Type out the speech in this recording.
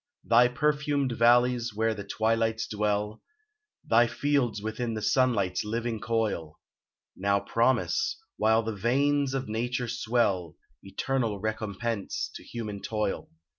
Thy perfumed valleys where the twilights dwell, Thy fields within the sunlight's living coil, Now promise, while the veins of nature swell, Eternal recompense to human toil.